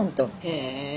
へえ。